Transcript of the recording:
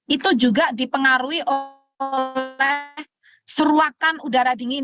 itu juga dipengaruhi oleh seruakan udara dingin